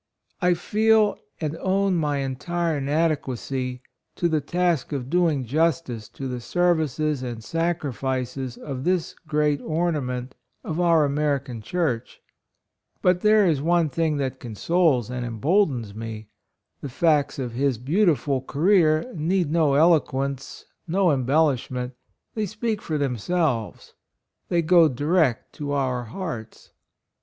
I feel and own my entire inadequacy to the task of doing jus tice to the services and sacrifices of this great ornament of our Ameri can Church ; but there is one thing that consoles and emboldens me ; the facts of his beautiful career need no eloquence — no embellishment — they speak for themselves — they go direct to our hearts.